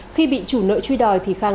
khi bị chủ nợ truy đòi thì khai thác năng